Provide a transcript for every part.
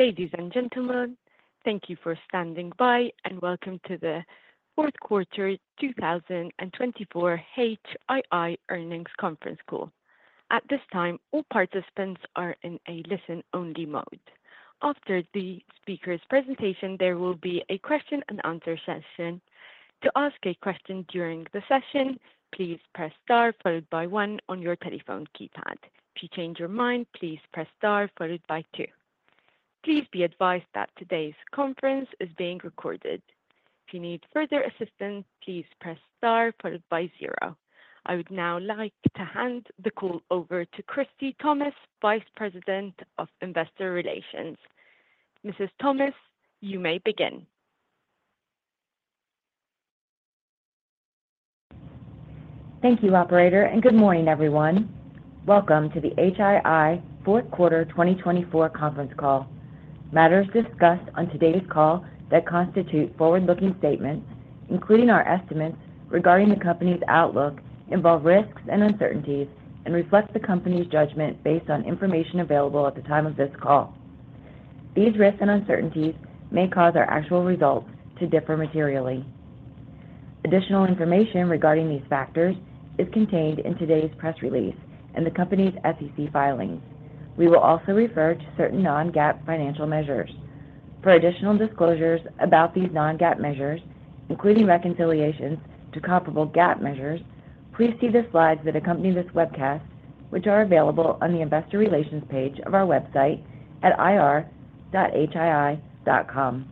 Ladies and gentlemen, thank you for standing by, and welcome to the Fourth Quarter 2024 HII Earnings Conference Call. At this time, all participants are in a listen-only mode. After the speaker's presentation, there will be a question-and-answer session. To ask a question during the session, please press star followed by one on your telephone keypad. If you change your mind, please press star followed by two. Please be advised that today's conference is being recorded. If you need further assistance, please press star followed by zero. I would now like to hand the call over to Christie Thomas, Vice President of Investor Relations. Mrs. Thomas, you may begin. Thank you, Operator, and good morning, everyone. Welcome to the HII Fourth Quarter 2024 HII Earnings Conference Call. Matters discussed on today's call that constitute forward-looking statements, including our estimates regarding the company's outlook, involve risks and uncertainties, and reflect the company's judgment based on information available at the time of this call. These risks and uncertainties may cause our actual results to differ materially. Additional information regarding these factors is contained in today's press release and the company's SEC filings. We will also refer to certain non-GAAP financial measures. For additional disclosures about these non-GAAP measures, including reconciliations to comparable GAAP measures, please see the slides that accompany this webcast, which are available on the investor relations page of our website at ir.hii.com.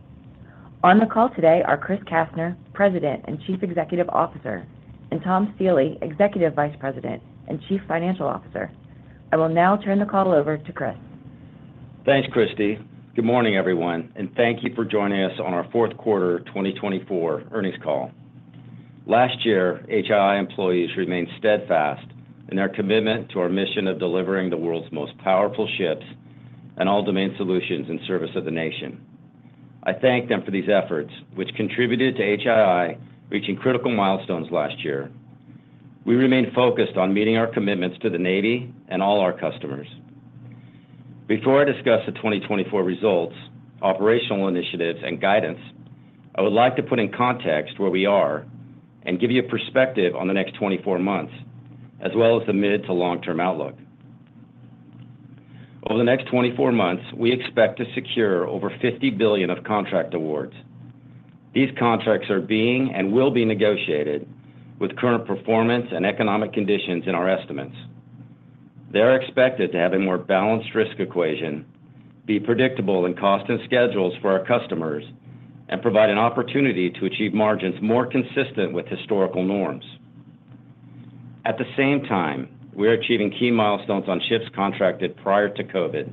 On the call today are Chris Kastner, President and Chief Executive Officer, and Tom Stiehle, Executive Vice President and Chief Financial Officer. I will now turn the call over to Chris. Thanks, Christie. Good morning, everyone, and thank you for joining us on our fourth quarter 2024 earnings call. Last year, HII employees remained steadfast in their commitment to our mission of delivering the world's most powerful ships and all-domain solutions in service of the nation. I thank them for these efforts, which contributed to HII reaching critical milestones last year. We remain focused on meeting our commitments to the Navy and all our customers. Before I discuss the 2024 results, operational initiatives, and guidance, I would like to put in context where we are and give you a perspective on the next 24 months, as well as the mid- to long-term outlook. Over the next 24 months, we expect to secure over $50 billion of contract awards. These contracts are being and will be negotiated with current performance and economic conditions in our estimates. They are expected to have a more balanced risk equation, be predictable in cost and schedules for our customers, and provide an opportunity to achieve margins more consistent with historical norms. At the same time, we are achieving key milestones on ships contracted prior to COVID,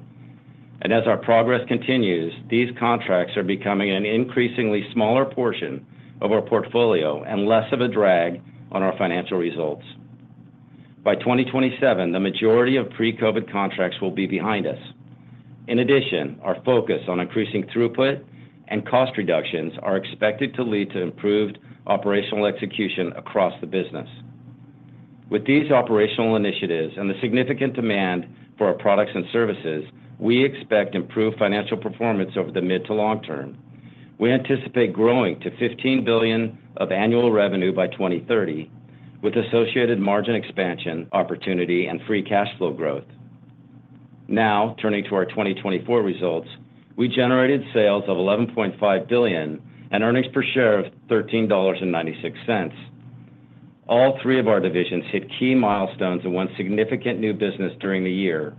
and as our progress continues, these contracts are becoming an increasingly smaller portion of our portfolio and less of a drag on our financial results. By 2027, the majority of pre-COVID contracts will be behind us. In addition, our focus on increasing throughput and cost reductions is expected to lead to improved operational execution across the business. With these operational initiatives and the significant demand for our products and services, we expect improved financial performance over the mid- to long term. We anticipate growing to $15 billion of annual revenue by 2030, with associated margin expansion opportunity and free cash flow growth. Now, turning to our 2024 results, we generated sales of $11.5 billion and earnings per share of $13.96. All three of our divisions hit key milestones and won significant new business during the year.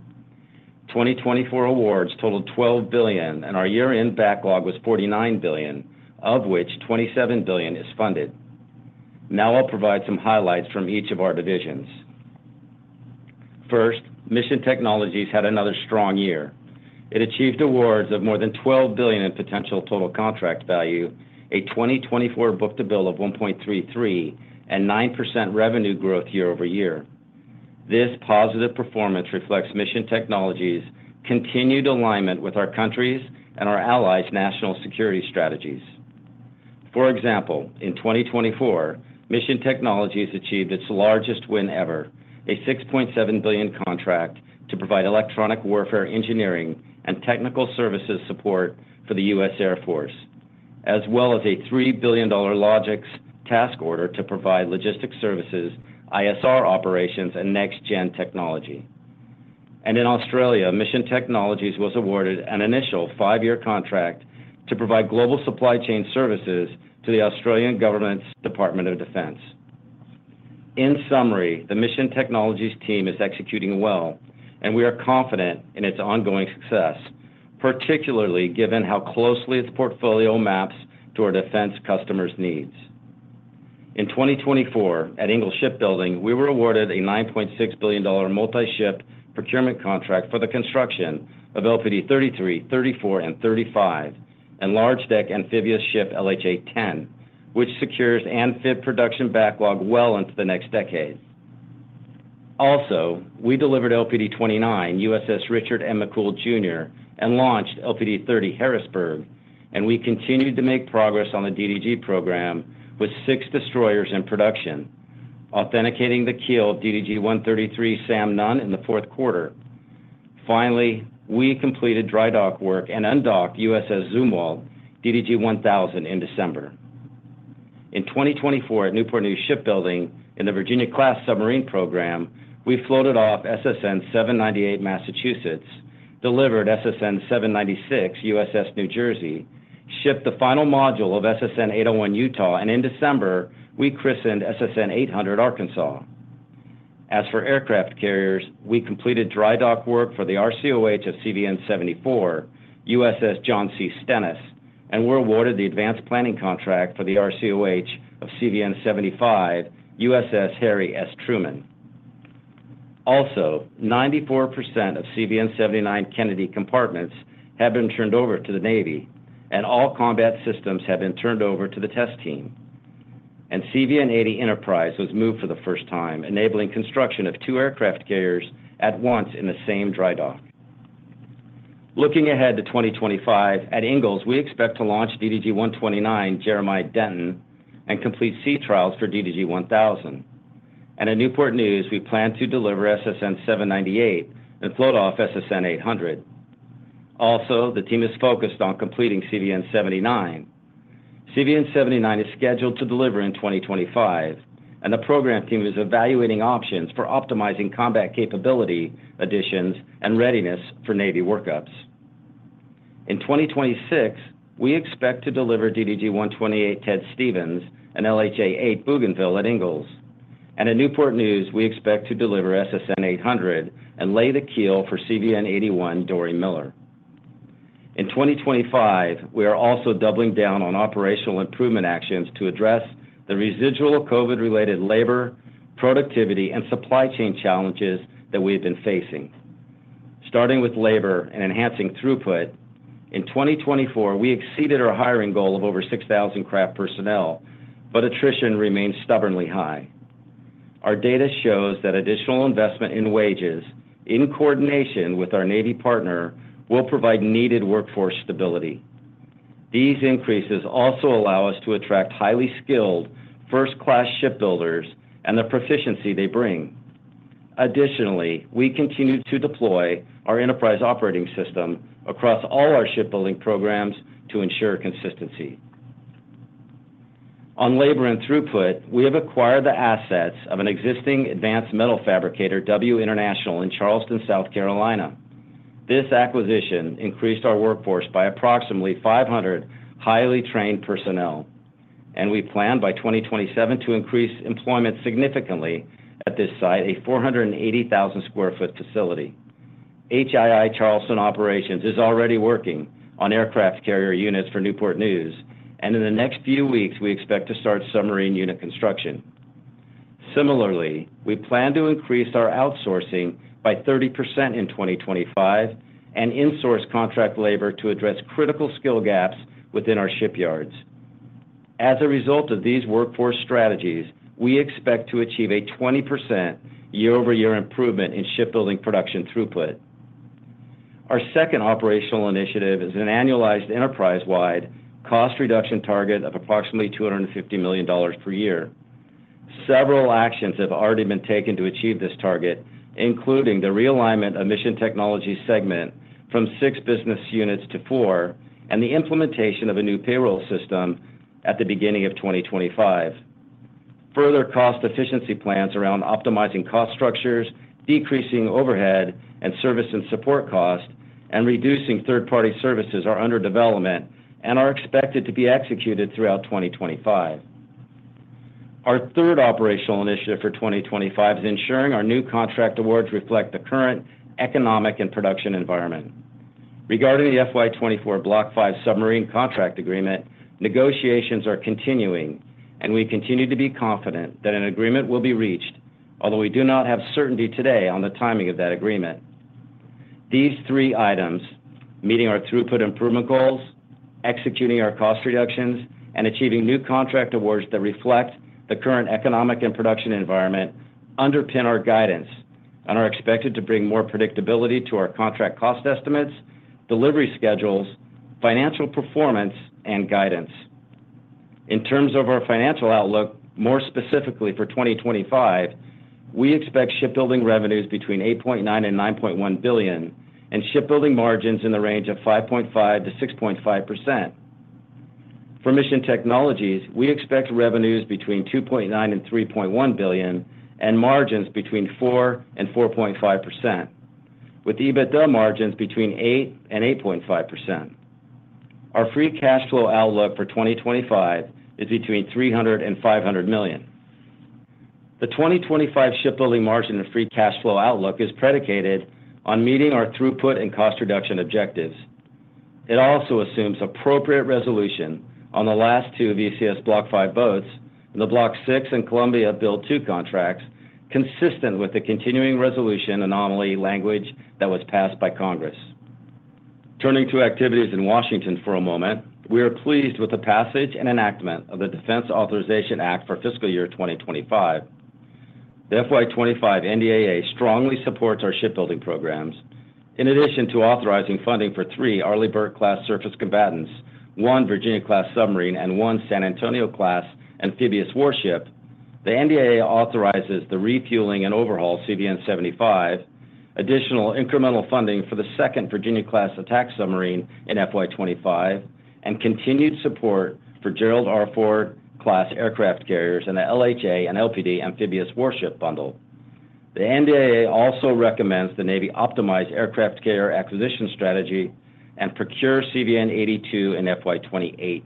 2024 awards totaled $12 billion, and our year-end backlog was $49 billion, of which $27 billion is funded. Now I'll provide some highlights from each of our divisions. First, Mission Technologies had another strong year. It achieved awards of more than $12 billion in potential total contract value, a 2024 book-to-bill of 1.33, and 9% revenue growth year-over-year. This positive performance reflects Mission Technologies' continued alignment with our country's and our allies' national security strategies. For example, in 2024, Mission Technologies achieved its largest win ever, a $6.7 billion contract to provide electronic warfare engineering and technical services support for the U.S. Air Force, as well as a $3 billion Logistics task order to provide logistics services, ISR operations, and next-gen technology. And in Australia, Mission Technologies was awarded an initial five-year contract to provide global supply chain services to the Australian government's Department of Defence. In summary, the Mission Technologies team is executing well, and we are confident in its ongoing success, particularly given how closely its portfolio maps to our defense customers' needs. In 2024, at Ingalls Shipbuilding, we were awarded a $9.6 billion multi-ship procurement contract for the construction of LPD-33, 34, and 35, and large deck amphibious ship LHA-10, which secures amphib production backlog well into the next decade. Also, we delivered LPD-29 USS Richard M. McCool Jr. and launched LPD-30 USS Harrisburg, and we continued to make progress on the DDG program with six destroyers in production, authenticating the keel of DDG-133 USS Sam Nunn in the fourth quarter. Finally, we completed dry dock work and undocked USS Zumwalt DDG-1000 in December. In 2024, at Newport News Shipbuilding in the Virginia-class Submarine Program, we floated off SSN 798 Massachusetts, delivered SSN 796 USS New Jersey, shipped the final module of SSN 801 Utah, and in December, we christened SSN 800 Arkansas. As for aircraft carriers, we completed dry dock work for the RCOH of CVN 74 USS John C. Stennis and were awarded the advanced planning contract for the RCOH of CVN 75 USS Harry S. Truman. Also, 94% of CVN 79 Kennedy compartments have been turned over to the Navy, and all combat systems have been turned over to the test team. CVN 80 Enterprise was moved for the first time, enabling construction of two aircraft carriers at once in the same dry dock. Looking ahead to 2025, at Ingalls, we expect to launch DDG 129 Jeremiah Denton and complete sea trials for DDG 1000, and at Newport News, we plan to deliver SSN 798 and float off SSN 800. Also, the team is focused on completing CVN 79. CVN 79 is scheduled to deliver in 2025, and the program team is evaluating options for optimizing combat capability additions and readiness for Navy workups. In 2026, we expect to deliver DDG 128 Ted Stevens and LHA 8 Bougainville at Ingalls, and at Newport News, we expect to deliver SSN 800 and lay the keel for CVN 81 Doris Miller. In 2025, we are also doubling down on operational improvement actions to address the residual COVID-related labor, productivity, and supply chain challenges that we have been facing. Starting with labor and enhancing throughput, in 2024, we exceeded our hiring goal of over 6,000 craft personnel, but attrition remains stubbornly high. Our data shows that additional investment in wages, in coordination with our Navy partner, will provide needed workforce stability. These increases also allow us to attract highly skilled first-class shipbuilders and the proficiency they bring. Additionally, we continue to deploy our Enterprise operating system across all our shipbuilding programs to ensure consistency. On labor and throughput, we have acquired the assets of an existing advanced metal fabricator, W International, in Charleston, South Carolina. This acquisition increased our workforce by approximately 500 highly trained personnel, and we plan by 2027 to increase employment significantly at this site, a 480,000 sq ft facility. HII Charleston Operations is already working on aircraft carrier units for Newport News, and in the next few weeks, we expect to start submarine unit construction. Similarly, we plan to increase our outsourcing by 30% in 2025 and insource contract labor to address critical skill gaps within our shipyards. As a result of these workforce strategies, we expect to achieve a 20% year-over-year improvement in shipbuilding production throughput. Our second operational initiative is an annualized enterprise-wide cost reduction target of approximately $250 million per year. Several actions have already been taken to achieve this target, including the realignment of Mission Technologies' segment from six business units to four and the implementation of a new payroll system at the beginning of 2025. Further cost efficiency plans around optimizing cost structures, decreasing overhead and service and support costs, and reducing third-party services are under development and are expected to be executed throughout 2025. Our third operational initiative for 2025 is ensuring our new contract awards reflect the current economic and production environment. Regarding the FY24 Block 5 submarine contract agreement, negotiations are continuing, and we continue to be confident that an agreement will be reached, although we do not have certainty today on the timing of that agreement. These three items, meeting our throughput improvement goals, executing our cost reductions, and achieving new contract awards that reflect the current economic and production environment, underpin our guidance and are expected to bring more predictability to our contract cost estimates, delivery schedules, financial performance, and guidance. In terms of our financial outlook, more specifically for 2025, we expect shipbuilding revenues between $8.9-$9.1 billion and shipbuilding margins in the range of 5.5%-6.5%. For Mission Technologies, we expect revenues between $2.9-$3.1 billion and margins between 4%-4.5%, with EBITDA margins between 8%-8.5%. Our free cash flow outlook for 2025 is between $300-$500 million. The 2025 shipbuilding margin and free cash flow outlook is predicated on meeting our throughput and cost reduction objectives. It also assumes appropriate resolution on the last two VCS Block 5 boats and the Block 6 and Columbia Build 2 contracts, consistent with the Continuing Resolution anomaly language that was passed by Congress. Turning to activities in Washington for a moment, we are pleased with the passage and enactment of the National Defense Authorization Act for fiscal year 2025. The FY25 NDAA strongly supports our shipbuilding programs. In addition to authorizing funding for three Arleigh Burke-class surface combatants, one Virginia-class submarine, and one San Antonio-class amphibious warship, the NDAA authorizes the refueling and overhaul of CVN 75, additional incremental funding for the second Virginia-class attack submarine in FY25, and continued support for Gerald R. Ford-class aircraft carriers and the LHA and LPD amphibious warship bundle. The NDAA also recommends the Navy optimize aircraft carrier acquisition strategy and procure CVN 82 in FY28.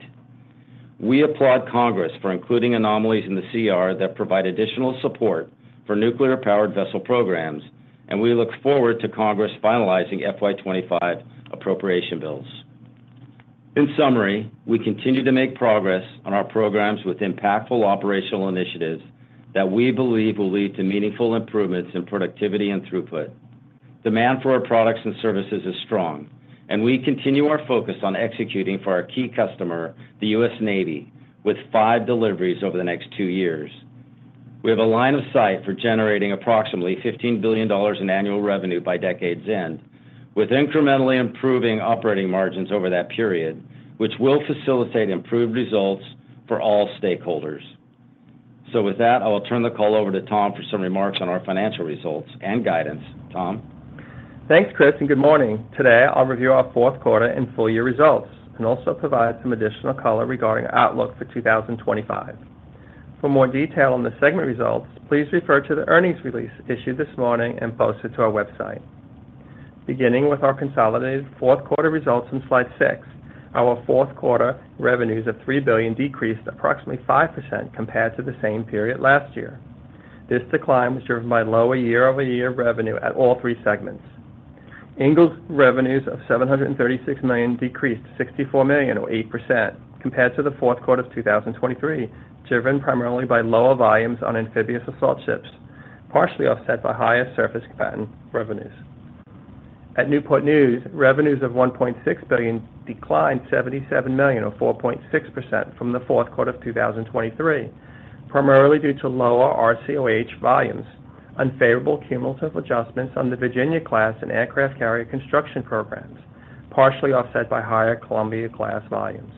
We applaud Congress for including anomalies in the CR that provide additional support for nuclear-powered vessel programs, and we look forward to Congress finalizing FY25 appropriation bills. In summary, we continue to make progress on our programs with impactful operational initiatives that we believe will lead to meaningful improvements in productivity and throughput. Demand for our products and services is strong, and we continue our focus on executing for our key customer, the U.S. Navy, with five deliveries over the next two years. We have a line of sight for generating approximately $15 billion in annual revenue by decade's end, with incrementally improving operating margins over that period, which will facilitate improved results for all stakeholders. With that, I will turn the call over to Tom for some remarks on our financial results and guidance. Tom? Thanks, Chris, and good morning. Today, I'll review our fourth quarter and full year results and also provide some additional color regarding outlook for 2025. For more detail on the segment results, please refer to the earnings release issued this morning and posted to our website. Beginning with our consolidated fourth quarter results in slide six, our fourth quarter revenues of $3 billion decreased approximately 5% compared to the same period last year. This decline was driven by lower year-over-year revenue at all three segments. Ingalls' revenues of $736 million decreased by $64 million, or 8%, compared to the fourth quarter of 2023, driven primarily by lower volumes on amphibious assault ships, partially offset by higher surface combatant revenues. At Newport News, revenues of $1.6 billion declined $77 million, or 4.6%, from the fourth quarter of 2023, primarily due to lower RCOH volumes, unfavorable cumulative adjustments on the Virginia-class and aircraft carrier construction programs, partially offset by higher Columbia-class volumes.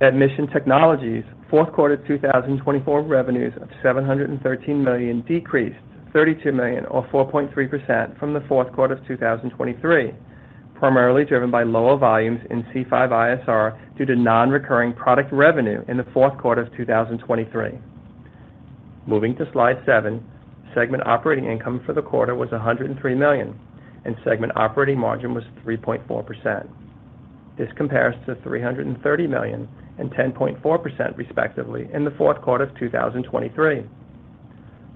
At Mission Technologies, fourth quarter 2024 revenues of $713 million decreased by $32 million, or 4.3%, from the fourth quarter of 2023, primarily driven by lower volumes in C5ISR due to non-recurring product revenue in the fourth quarter of 2023. Moving to slide seven, segment operating income for the quarter was $103 million, and segment operating margin was 3.4%. This compares to $330 million and 10.4%, respectively, in the fourth quarter of 2023.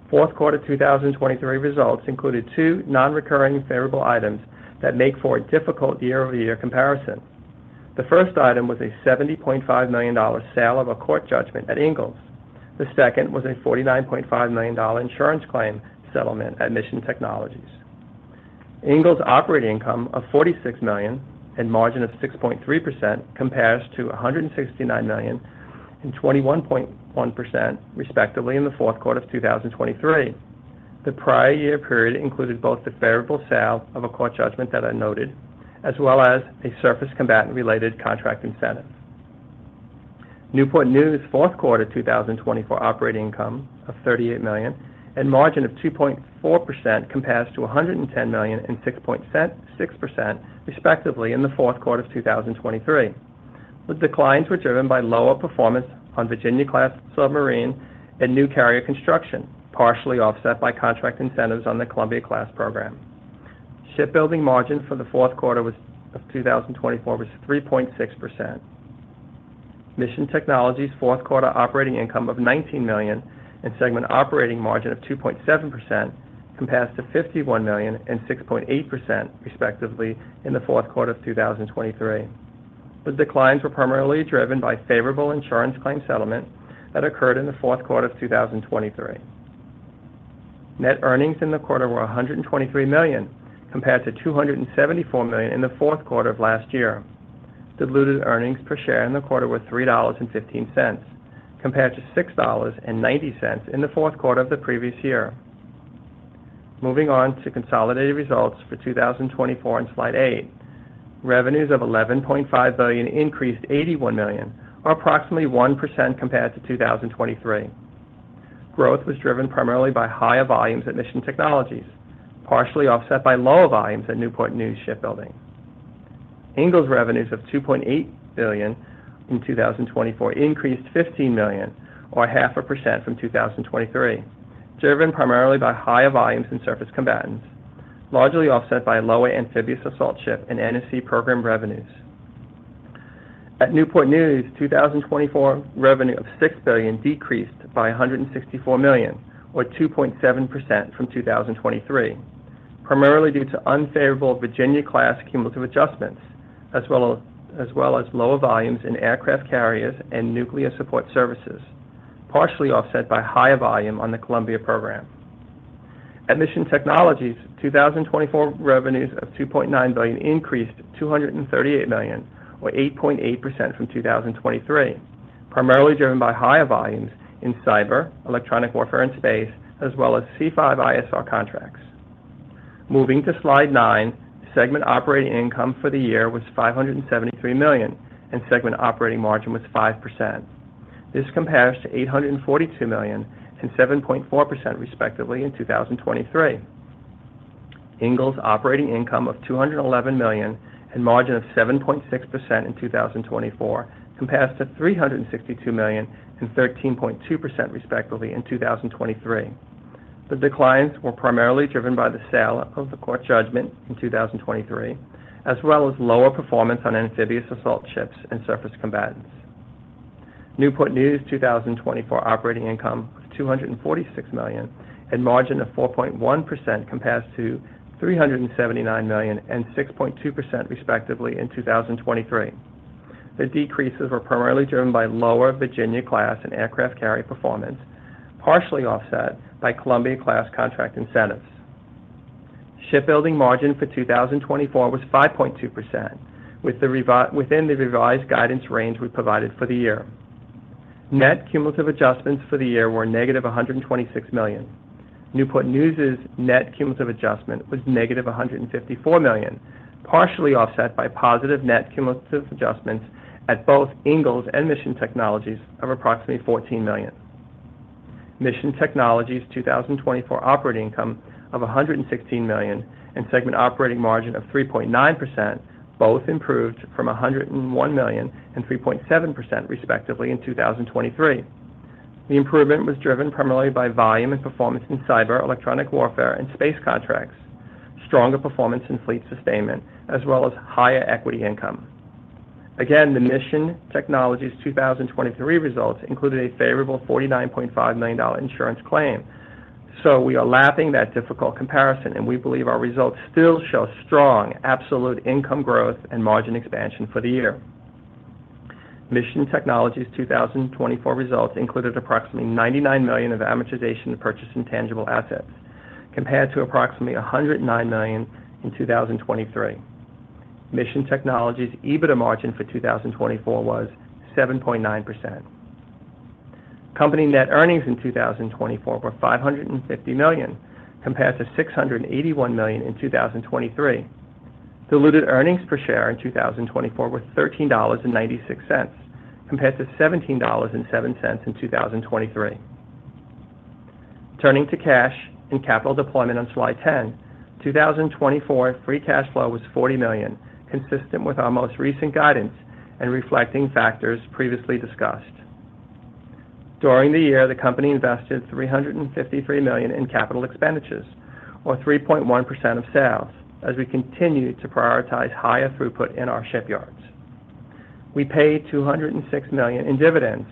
Fourth quarter 2023 results included two non-recurring favorable items that make for a difficult year-over-year comparison. The first item was a $70.5 million sale of a court judgment at Ingalls. The second was a $49.5 million insurance claim settlement at Mission Technologies. Ingalls' operating income of $46 million and margin of 6.3% compares to $169 million and 21.1%, respectively, in the fourth quarter of 2023. The prior year period included both the favorable sale of a court judgment that I noted, as well as a surface combatant-related contract incentive. Newport News' fourth quarter 2024 operating income of $38 million and margin of 2.4% compares to $110 million and 6%, respectively, in the fourth quarter of 2023. The declines were driven by lower performance on Virginia-class submarine and new carrier construction, partially offset by contract incentives on the Columbia-class program. Shipbuilding margin for the fourth quarter of 2024 was 3.6%. Mission Technologies' fourth quarter operating income of $19 million and segment operating margin of 2.7% compares to $51 million and 6.8%, respectively, in the fourth quarter of 2023. The declines were primarily driven by favorable insurance claim settlement that occurred in the fourth quarter of 2023. Net earnings in the quarter were $123 million compared to $274 million in the fourth quarter of last year. Diluted earnings per share in the quarter were $3.15 compared to $6.90 in the fourth quarter of the previous year. Moving on to consolidated results for 2024 in slide eight, revenues of $11.5 billion increased $81 million, or approximately 1% compared to 2023. Growth was driven primarily by higher volumes at Mission Technologies, partially offset by lower volumes at Newport News Shipbuilding. Ingalls' revenues of $2.8 billion in 2024 increased $15 million, or 0.5% from 2023, driven primarily by higher volumes in surface combatants, largely offset by lower amphibious assault ship and NSC program revenues. At Newport News, 2024 revenue of $6 billion decreased by $164 million, or 2.7% from 2023, primarily due to unfavorable Virginia-class cumulative adjustments, as well as lower volumes in aircraft carriers and nuclear support services, partially offset by higher volume on the Columbia program. At Mission Technologies, 2024 revenues of $2.9 billion increased to $238 million, or 8.8% from 2023, primarily driven by higher volumes in cyber, electronic warfare, and space, as well as C5ISR contracts. Moving to slide nine, segment operating income for the year was $573 million, and segment operating margin was 5%. This compares to $842 million and 7.4%, respectively, in 2023. Ingalls' operating income of $211 million and margin of 7.6% in 2024 compares to $362 million and 13.2%, respectively, in 2023. The declines were primarily driven by the sale of the court judgment in 2023, as well as lower performance on amphibious assault ships and surface combatants. Newport News' 2024 operating income of $246 million and margin of 4.1% compares to $379 million and 6.2%, respectively, in 2023. The decreases were primarily driven by lower Virginia-class and aircraft carrier performance, partially offset by Columbia-class contract incentives. Shipbuilding margin for 2024 was 5.2%, within the revised guidance range we provided for the year. Net cumulative adjustments for the year were negative $126 million. Newport News' net cumulative adjustment was negative $154 million, partially offset by positive net cumulative adjustments at both Ingalls and Mission Technologies of approximately $14 million. Mission Technologies' 2024 operating income of $116 million and segment operating margin of 3.9% both improved from $101 million and 3.7%, respectively, in 2023. The improvement was driven primarily by volume and performance in cyber, electronic warfare, and space contracts, stronger performance in fleet sustainment, as well as higher equity income. Again, the Mission Technologies' 2023 results included a favorable $49.5 million insurance claim. So we are laughing at that difficult comparison, and we believe our results still show strong absolute income growth and margin expansion for the year. Mission Technologies' 2024 results included approximately $99 million of amortization and purchased intangible assets, compared to approximately $109 million in 2023. Mission Technologies' EBITDA margin for 2024 was 7.9%. Company net earnings in 2024 were $550 million, compared to $681 million in 2023. Diluted earnings per share in 2024 were $13.96, compared to $17.07 in 2023. Turning to cash and capital deployment on slide 10, 2024 free cash flow was $40 million, consistent with our most recent guidance and reflecting factors previously discussed. During the year, the company invested $353 million in capital expenditures, or 3.1% of sales, as we continue to prioritize higher throughput in our shipyards. We paid $206 million in dividends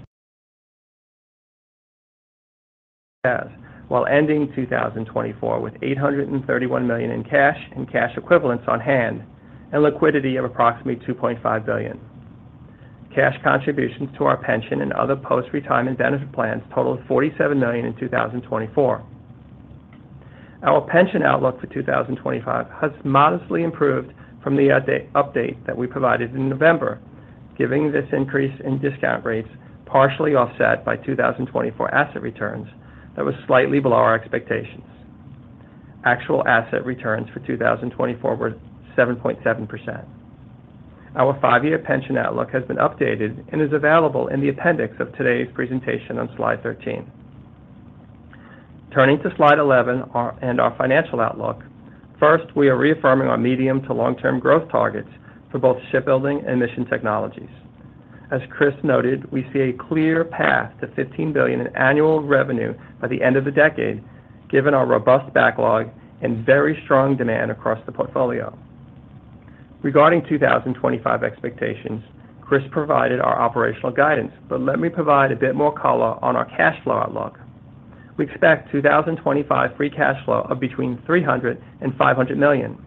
while ending 2024 with $831 million in cash and cash equivalents on hand and liquidity of approximately $2.5 billion. Cash contributions to our pension and other post-retirement benefit plans totaled $47 million in 2024. Our pension outlook for 2025 has modestly improved from the update that we provided in November, giving this increase in discount rates partially offset by 2024 asset returns that were slightly below our expectations. Actual asset returns for 2024 were 7.7%. Our five-year pension outlook has been updated and is available in the appendix of today's presentation on slide 13. Turning to slide 11 and our financial outlook, first, we are reaffirming our medium to long-term growth targets for both shipbuilding and Mission Technologies. As Chris noted, we see a clear path to $15 billion in annual revenue by the end of the decade, given our robust backlog and very strong demand across the portfolio. Regarding 2025 expectations, Chris provided our operational guidance, but let me provide a bit more color on our cash flow outlook. We expect 2025 free cash flow of between $300 and $500 million.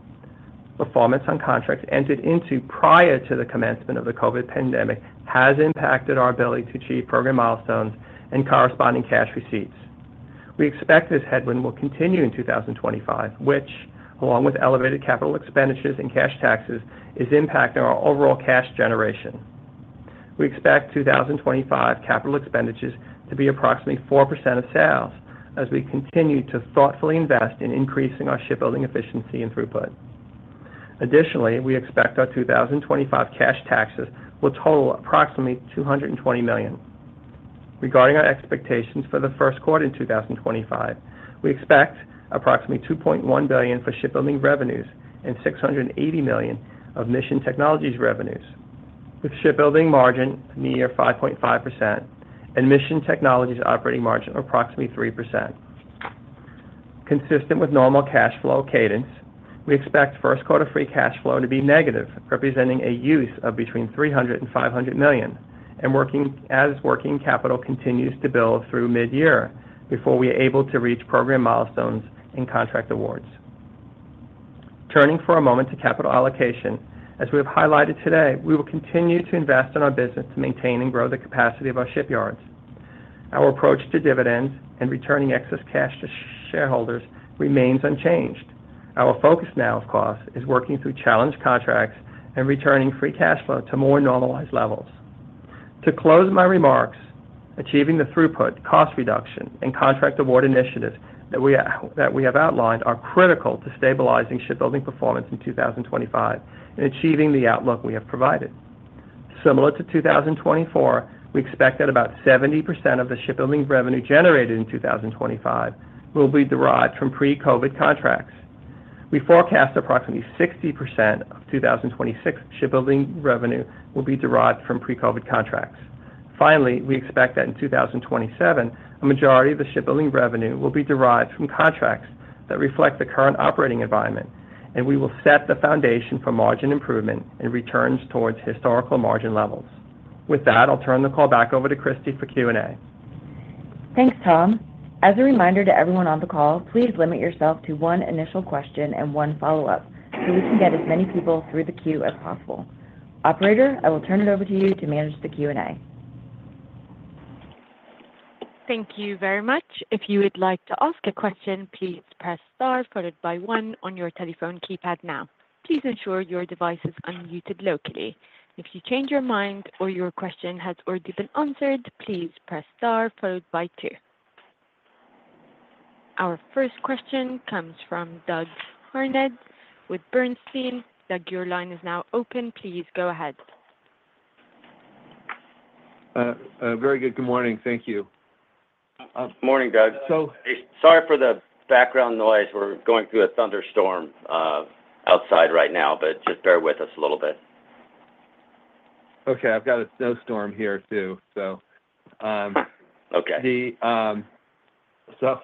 Performance on contracts entered into prior to the commencement of the COVID pandemic has impacted our ability to achieve program milestones and corresponding cash receipts. We expect this headwind will continue in 2025, which, along with elevated capital expenditures and cash taxes, is impacting our overall cash generation. We expect 2025 capital expenditures to be approximately 4% of sales as we continue to thoughtfully invest in increasing our shipbuilding efficiency and throughput. Additionally, we expect our 2025 cash taxes will total approximately $220 million. Regarding our expectations for the first quarter in 2025, we expect approximately $2.1 billion for shipbuilding revenues and $680 million of Mission Technologies revenues, with shipbuilding margin near 5.5% and Mission Technologies operating margin of approximately 3%. Consistent with normal cash flow cadence, we expect first quarter free cash flow to be negative, representing a use of between $300 and $500 million, and as working capital continues to build through mid-year before we are able to reach program milestones and contract awards. Turning for a moment to capital allocation, as we have highlighted today, we will continue to invest in our business to maintain and grow the capacity of our shipyards. Our approach to dividends and returning excess cash to shareholders remains unchanged. Our focus now, of course, is working through challenge contracts and returning free cash flow to more normalized levels. To close my remarks, achieving the throughput, cost reduction, and contract award initiatives that we have outlined are critical to stabilizing shipbuilding performance in 2025 and achieving the outlook we have provided. Similar to 2024, we expect that about 70% of the shipbuilding revenue generated in 2025 will be derived from pre-COVID contracts. We forecast approximately 60% of 2026 shipbuilding revenue will be derived from pre-COVID contracts. Finally, we expect that in 2027, a majority of the shipbuilding revenue will be derived from contracts that reflect the current operating environment, and we will set the foundation for margin improvement and returns towards historical margin levels. With that, I'll turn the call back over to Christie for Q&A. Thanks, Tom. As a reminder to everyone on the call, please limit yourself to one initial question and one follow-up so we can get as many people through the queue as possible. Operator, I will turn it over to you to manage the Q&A. Thank you very much. If you would like to ask a question, please press star followed by one on your telephone keypad now. Please ensure your device is unmuted locally. If you change your mind or your question has already been answered, please press star followed by two. Our first question comes from Doug Harned with Bernstein. Doug, your line is now open. Please go ahead. Very good. Good morning. Thank you. Morning, Doug. Sorry for the background noise. We're going through a thunderstorm outside right now, but just bear with us a little bit. Okay. I've got a snowstorm here too, so. Okay. So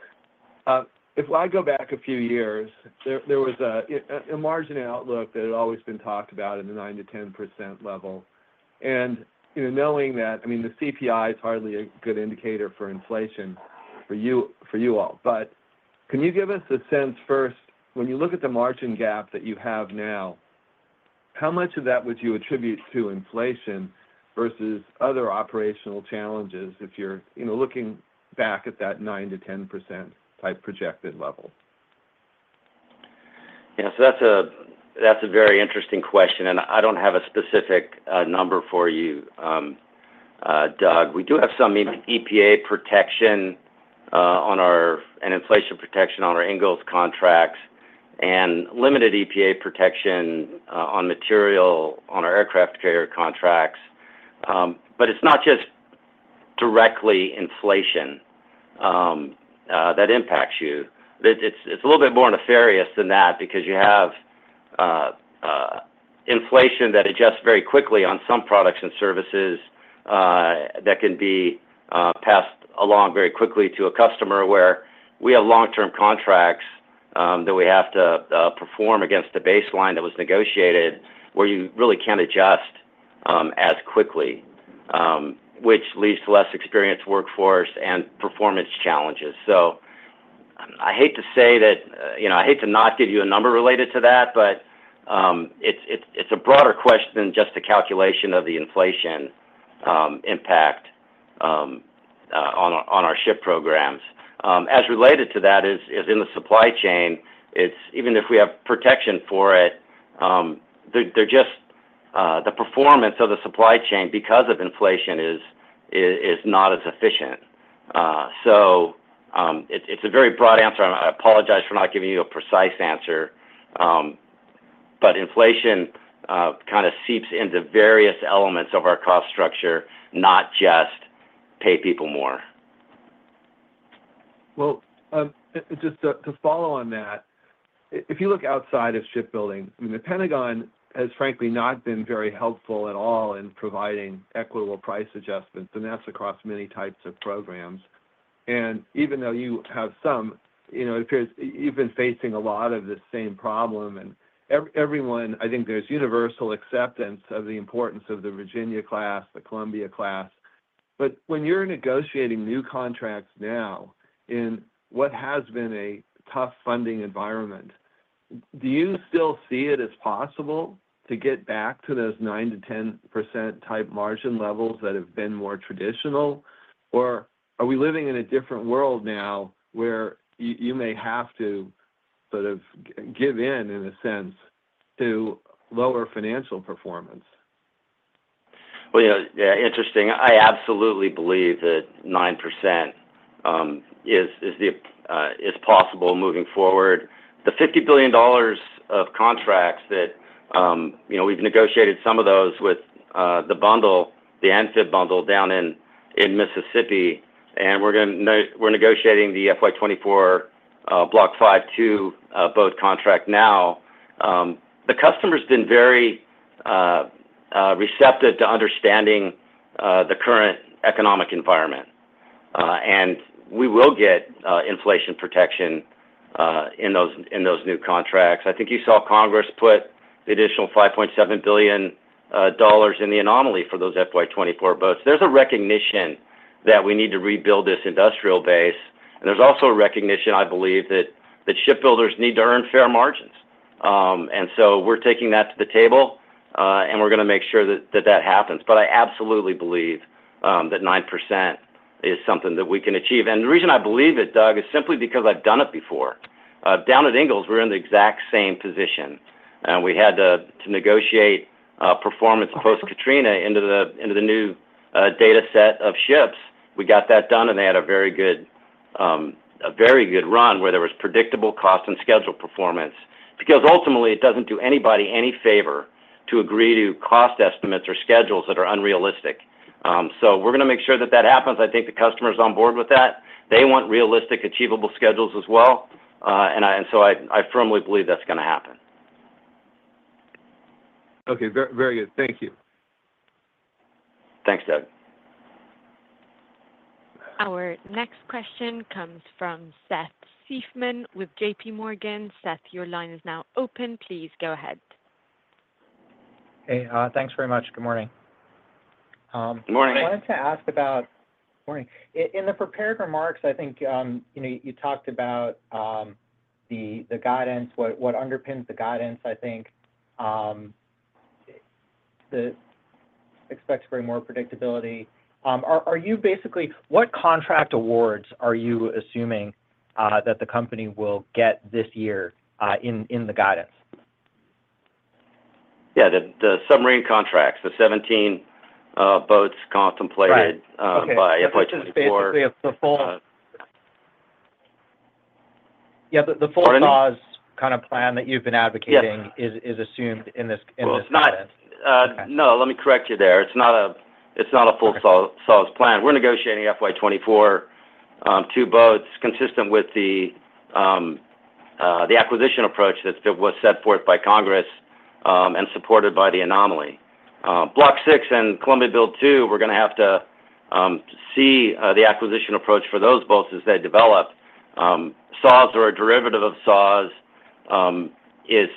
if I go back a few years, there was a margin outlook that had always been talked about in the 9%-10% level. And knowing that, I mean, the CPI is hardly a good indicator for inflation for you all. But can you give us a sense first, when you look at the margin gap that you have now, how much of that would you attribute to inflation versus other operational challenges if you're looking back at that 9%-10% type projected level? Yeah. So that's a very interesting question, and I don't have a specific number for you, Doug. We do have some EPA protection on our and inflation protection on our Ingalls contracts and limited EPA protection on material on our aircraft carrier contracts. But it's not just directly inflation that impacts you. It's a little bit more nefarious than that because you have inflation that adjusts very quickly on some products and services that can be passed along very quickly to a customer where we have long-term contracts that we have to perform against the baseline that was negotiated, where you really can't adjust as quickly, which leads to less experienced workforce and performance challenges. So I hate to say that I hate to not give you a number related to that, but it's a broader question than just the calculation of the inflation impact on our ship programs. As related to that is in the supply chain, even if we have protection for it, the performance of the supply chain because of inflation is not as efficient. So it's a very broad answer. I apologize for not giving you a precise answer, but inflation kind of seeps into various elements of our cost structure, not just pay people more. Well, just to follow on that, if you look outside of shipbuilding, I mean, the Pentagon has, frankly, not been very helpful at all in providing equitable price adjustments, and that's across many types of programs, and even though you have some, it appears you've been facing a lot of the same problem, and everyone, I think there's universal acceptance of the importance of the Virginia-class, the Columbia-class. But when you're negotiating new contracts now in what has been a tough funding environment, do you still see it as possible to get back to those 9%-10% type margin levels that have been more traditional, or are we living in a different world now where you may have to sort of give in, in a sense, to lower financial performance? Well, yeah, interesting. I absolutely believe that 9% is possible moving forward. The $50 billion of contracts that we've negotiated, some of those with the bundle, the amphib bundle down in Mississippi, and we're negotiating the FY24 Block 5 two-boat contract now, the customer's been very receptive to understanding the current economic environment. And we will get inflation protection in those new contracts. I think you saw Congress put the additional $5.7 billion in the anomaly for those FY24 boats. There's a recognition that we need to rebuild this industrial base, and there's also a recognition, I believe, that shipbuilders need to earn fair margins, and so we're taking that to the table, and we're going to make sure that that happens, but I absolutely believe that 9% is something that we can achieve, and the reason I believe it, Doug, is simply because I've done it before. Down at Ingalls, we're in the exact same position. We had to negotiate performance post-Katrina into the new data set of ships. We got that done, and they had a very good run where there was predictable cost and schedule performance because ultimately, it doesn't do anybody any favor to agree to cost estimates or schedules that are unrealistic, so we're going to make sure that that happens. I think the customer's on board with that. They want realistic, achievable schedules as well, and so I firmly believe that's going to happen. Okay. Very good. Thank you. Thanks, Doug. Our next question comes from Seth Seifman with JPMorgan. Seth, your line is now open. Please go ahead. Hey. Thanks very much. Good morning. Good morning. I wanted to ask about, in the prepared remarks, I think you talked about the guidance, what underpins the guidance, I think, they expect to bring more predictability. Are you basically what contract awards are you assuming that the company will get this year in the guidance? Yeah. The submarine contracts, the 17 boats contemplated by FY24. Sorry. Just basically, the full. Pardon? Yeah. The full-size kind of plan that you've been advocating is assumed in this guidance. It's not no. Let me correct you there. It's not a full-size plan. We're negotiating FY24 two boats consistent with the acquisition approach that was set forth by Congress and supported by the anomaly. Block 6 and Columbia Build 2, we're going to have to see the acquisition approach for those boats as they develop. SOWs or a derivative of SOWs is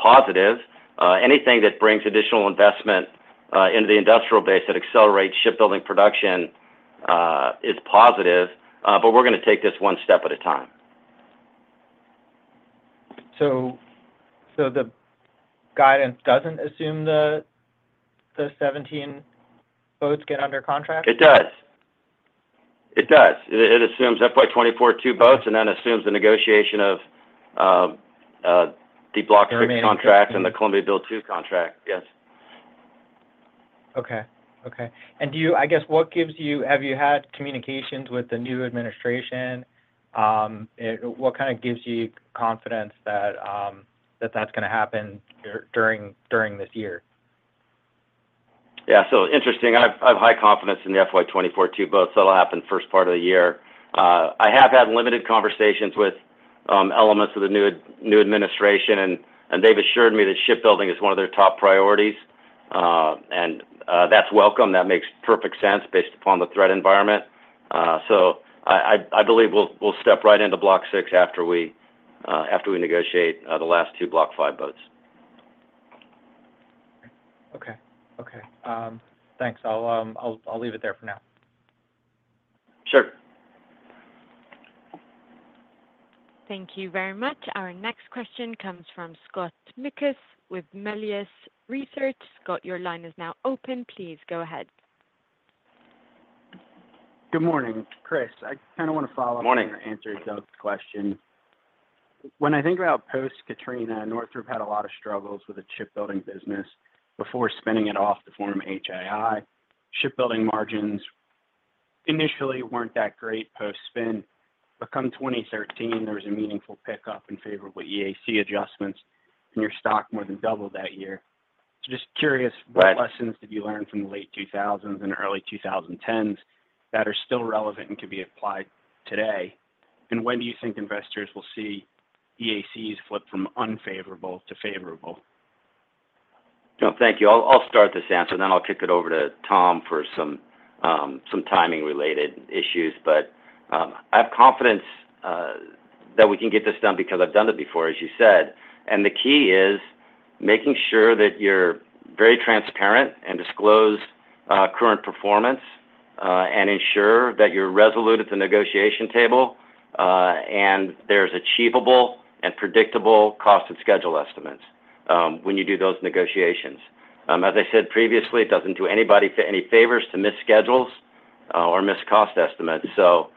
positive. Anything that brings additional investment into the industrial base that accelerates shipbuilding production is positive, but we're going to take this one step at a time. So the guidance doesn't assume the 17 boats get under contract? It does. It does. It assumes FY24 two boats and then assumes the negotiation of the Block 6 contract and the Columbia Build 2 contract. Yes. Okay. And I guess, what gives you? Have you had communications with the new administration? What kind of gives you confidence that that's going to happen during this year? Yeah, so interesting. I have high confidence in the FY24 two boats. That'll happen first part of the year. I have had limited conversations with elements of the new administration, and they've assured me that shipbuilding is one of their top priorities, and that's welcome. That makes perfect sense based upon the threat environment, so I believe we'll step right into Block 6 after we negotiate the last two Block 5 boats. Okay. Okay. Thanks. I'll leave it there for now. Sure. Thank you very much. Our next question comes from Scott Mikus with Melius Research. Scott, your line is now open. Please go ahead. Good morning. Chris, I kind of want to follow up on your answer to Doug's question. When I think about post-Katrina, Northrop had a lot of struggles with the shipbuilding business before spinning it off to form HII. Shipbuilding margins initially weren't that great post-spin, but come 2013, there was a meaningful pickup in favorable EAC adjustments, and your stock more than doubled that year. So just curious, what lessons did you learn from the late 2000s and early 2010s that are still relevant and can be applied today? And when do you think investors will see EACs flip from unfavorable to favorable? Thank you. I'll start this answer, then I'll kick it over to Tom for some timing-related issues. But I have confidence that we can get this done because I've done it before, as you said. And the key is making sure that you're very transparent and disclose current performance and ensure that you're resolute at the negotiation table and there's achievable and predictable cost and schedule estimates when you do those negotiations. As I said previously, it doesn't do anybody any favors to miss schedules or miss cost estimates. So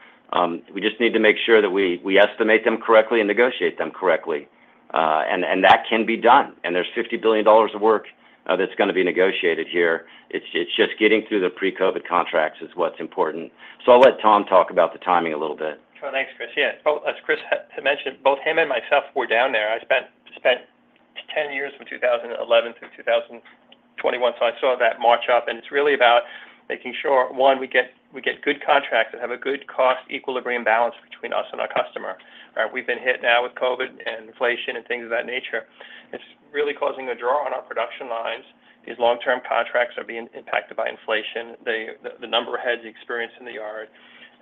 we just need to make sure that we estimate them correctly and negotiate them correctly. And that can be done. And there's $50 billion of work that's going to be negotiated here. It's just getting through the pre-COVID contracts is what's important. So I'll let Tom talk about the timing a little bit. Thanks, Chris. Yeah. As Chris had mentioned, both him and myself were down there. I spent 10 years from 2011 through 2021, so I saw that march up. And it's really about making sure, one, we get good contracts that have a good cost equilibrium balance between us and our customer. We've been hit now with COVID and inflation and things of that nature. It's really causing a draw on our production lines. These long-term contracts are being impacted by inflation, the number of heads experienced in the yard,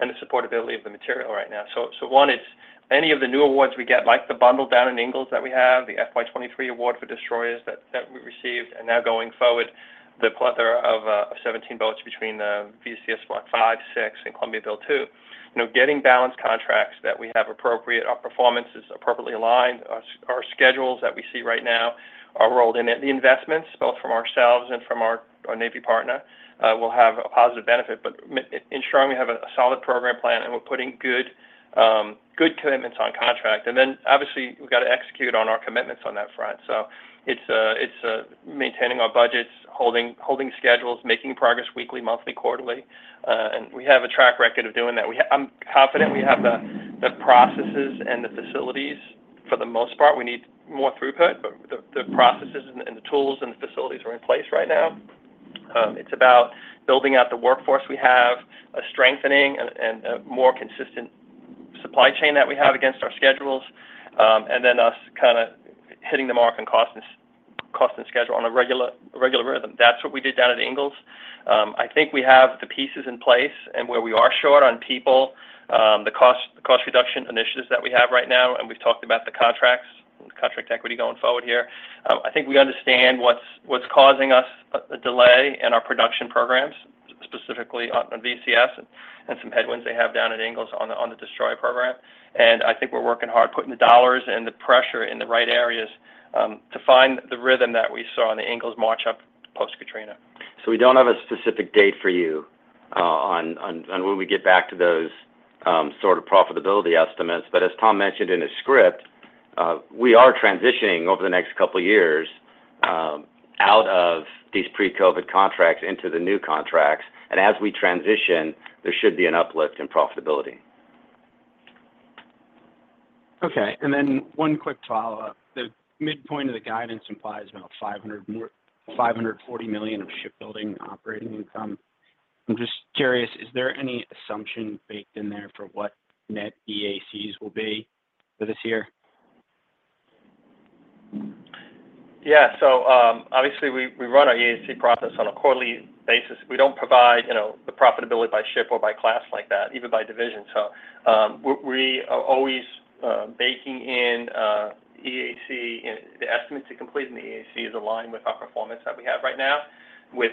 and the supportability of the material right now. So, one, it's any of the new awards we get, like the bundle down in Ingalls that we have, the FY23 award for destroyers that we received, and now going forward, the plethora of 17 boats between the VCS Block 5, 6, and Columbia Build 2, getting balanced contracts that we have appropriate performances, appropriately aligned. Our schedules that we see right now are rolled in. The investments, both from ourselves and from our Navy partner, will have a positive benefit, but ensuring we have a solid program plan and we're putting good commitments on contract. And then, obviously, we've got to execute on our commitments on that front. So it's maintaining our budgets, holding schedules, making progress weekly, monthly, quarterly. And we have a track record of doing that. I'm confident we have the processes and the facilities for the most part. We need more throughput, but the processes and the tools and the facilities are in place right now. It's about building out the workforce we have, strengthening and a more consistent supply chain that we have against our schedules, and then us kind of hitting the mark on cost and schedule on a regular rhythm. That's what we did down at Ingalls. I think we have the pieces in place, and where we are short on people, the cost reduction initiatives that we have right now, and we've talked about the contracts and contract equity going forward here. I think we understand what's causing us a delay in our production programs, specifically on VCS and some headwinds they have down at Ingalls on the destroyer program. I think we're working hard, putting the dollars and the pressure in the right areas to find the rhythm that we saw in the Ingalls march up post-Katrina. So we don't have a specific date for you on when we get back to those sort of profitability estimates. But as Tom mentioned in his script, we are transitioning over the next couple of years out of these pre-COVID contracts into the new contracts. And as we transition, there should be an uplift in profitability. Okay. And then one quick follow-up. The midpoint of the guidance implies about $540 million of shipbuilding operating income. I'm just curious, is there any assumption baked in there for what net EACs will be for this year? Yeah. So obviously, we run our EAC process on a quarterly basis. We don't provide the profitability by ship or by class like that, even by division. So we are always baking in the estimates to complete, and the EAC is aligned with our performance that we have right now with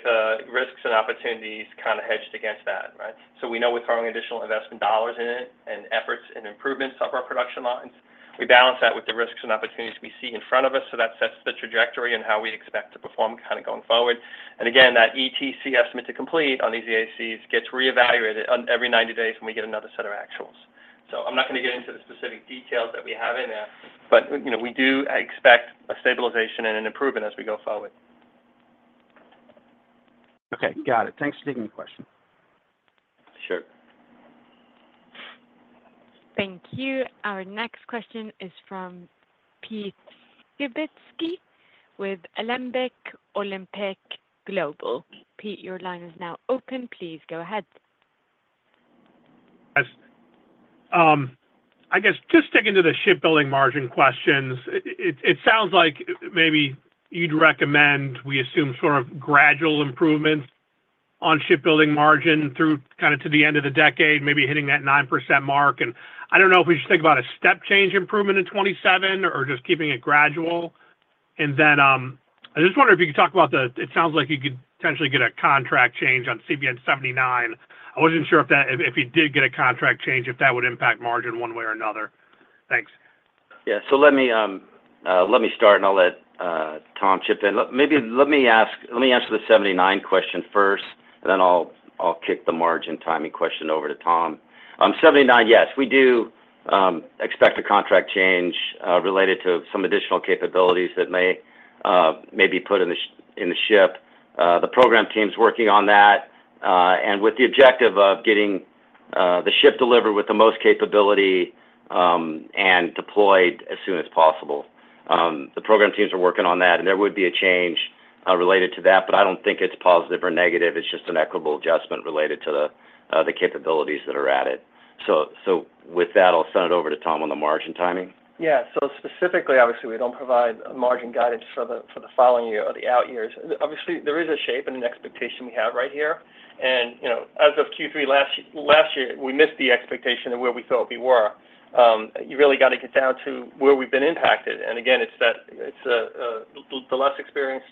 risks and opportunities kind of hedged against that, right? So we know we're throwing additional investment dollars in it and efforts and improvements of our production lines. We balance that with the risks and opportunities we see in front of us, so that sets the trajectory and how we expect to perform kind of going forward. And again, that ETC estimate to complete on these EACs gets reevaluated every 90 days when we get another set of actuals. So I'm not going to get into the specific details that we have in there, but we do expect a stabilization and an improvement as we go forward. Okay. Got it. Thanks for taking the question. Sure. Thank you. Our next question is from Pete Skibitski with Alembic Global Advisors. Pete, your line is now open. Please go ahead. I guess just sticking to the shipbuilding margin questions, it sounds like maybe you'd recommend we assume sort of gradual improvements on shipbuilding margin through kind of to the end of the decade, maybe hitting that 9% mark. And I don't know if we should think about a step change improvement in 2027 or just keeping it gradual. And then I just wonder if you could talk about that it sounds like you could potentially get a contract change on CVN 79. I wasn't sure if you did get a contract change, if that would impact margin one way or another. Thanks. Yeah. So let me start, and I'll let Tom chip in. Maybe let me answer the '79 question first, and then I'll kick the margin timing question over to Tom. '79, yes. We do expect a contract change related to some additional capabilities that may be put in the ship. The program team's working on that and with the objective of getting the ship delivered with the most capability and deployed as soon as possible. The program teams are working on that, and there would be a change related to that, but I don't think it's positive or negative. It's just an equitable adjustment related to the capabilities that are added to it. So with that, I'll send it over to Tom on the margin timing. Yeah. So specifically, obviously, we don't provide margin guidance for the following year or the out years. Obviously, there is a shape and an expectation we have right here, and as of Q3 last year, we missed the expectation of where we thought we were. You really got to get down to where we've been impacted, and again, it's the less experienced,